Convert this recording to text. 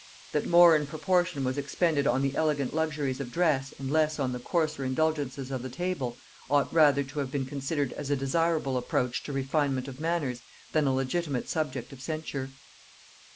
That more in proportion was expended on the elegant luxuries of dress, and less on the coarser indulgences of the table, ought rather to have been considered as a desirable approach to refinement of manners than a legitimate subject of censure.